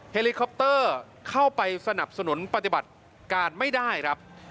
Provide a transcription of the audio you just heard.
เฮลิคอปเตอร์เข้าไปสนับสนุนปฏิบัติการไม่ได้ครับ